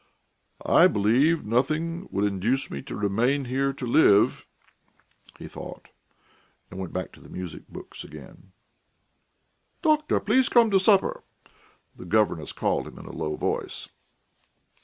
"I believe nothing would induce me to remain here to live ..." he thought, and went back to the music books again. "Doctor, please come to supper!" the governess called him in a low voice.